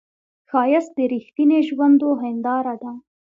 ښایست د رښتینې ژوندو هنداره ده